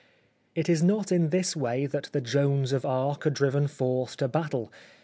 It is not in this way that the Joans of Arc are driven forth to battle.